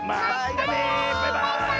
バイバーイ！